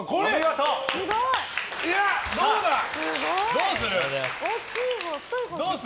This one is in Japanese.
どうする？